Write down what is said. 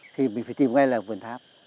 thì mình phải tìm ngay là vườn tháp